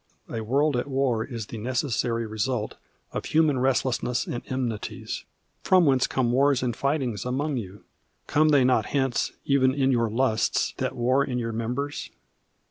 A world at war is the necessary result of human restlessness and enmities. "From whence come wars and fightings among you? Come they not hence, even of your lusts, that war in your members?"